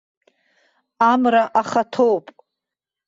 Амра ахаҭоуп.